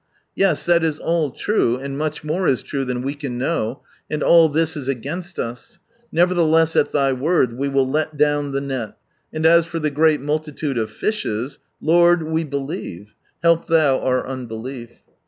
Yes, that is all true, and much more is true than we can know, and all this is against us ; nevertheless at Thy word we will let down the net, and as for the great multitude of fishes — Lord, we believe, help Thou our unbelief!